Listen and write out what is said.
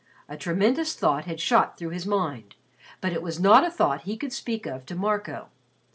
A tremendous thought had shot through his mind. But it was not a thought he could speak of to Marco.